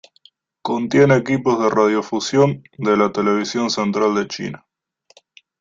Contiene equipos de radiodifusión de la Televisión Central de China.